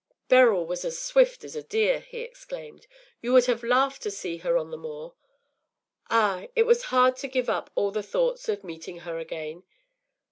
“Beryl was as swift as a deer!” he exclaimed. “You would have laughed to see her on the moor. Ah, it was hard to give up all the thoughts of meeting her again.